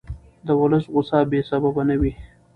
د ولس غوسه بې سببه نه وي